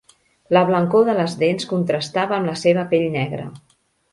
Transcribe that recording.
La blancor de les dents contrastava amb la seva pell negra.